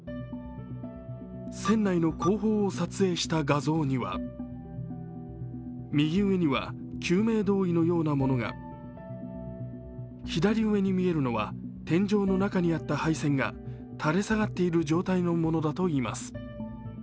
船内の後方を撮影した画像には、右上には救命胴衣のようなものが、左上に見えるのは天井の中にあった配線が垂れ下がっている状態のものだといいます。